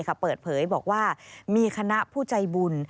เปิดเผยบอกว่ามีคณะผู้ใจบุญ